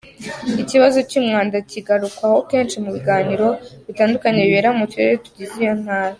Ikibazo cy’umwanda kigarukwaho kenshi mu biganiro bitandukanye bibera mu turere tugize iyo ntara.